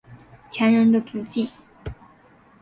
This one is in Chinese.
前人的足迹